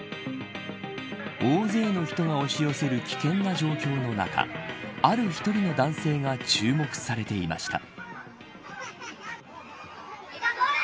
大勢の人が押し寄せる危険な状況の中ある１人の男性が注目されていました。